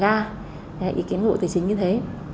đấy là ý kiến của bộ tài chính như thế